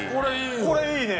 「これいいね」？